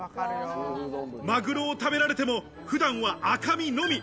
マグロを食べられても、普段は赤身のみ。